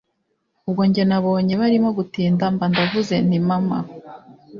ubwo njye nabonye barimo gutinda mba ndavuze nti maman